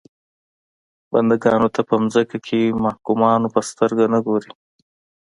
بنده ګانو ته په ځمکه کې محکومانو په سترګه نه ګوري.